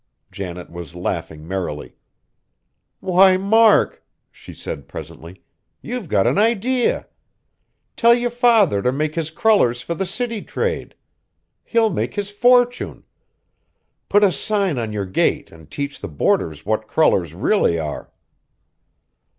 Janet was laughing merrily. "Why, Mark!" she said presently, "you've got an idea. Tell your father to make his crullers for the city trade. He'll make his fortune. Put a sign on your gate and teach the boarders what crullers really are!"